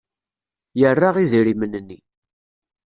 Yerra idrimen-nni.